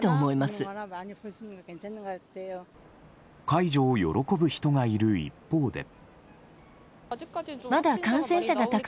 解除を喜ぶ人がいる一方で。